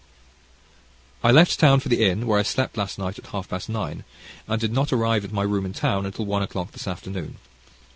I left town for the inn where I slept last night at half past nine, and did not arrive at my room in town until one o'clock this afternoon.